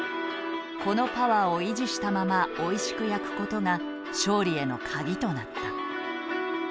このパワーを維持したままおいしく焼くことが勝利への鍵となった。